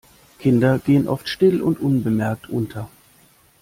Kinder gehen oft still und unbemerkt unter.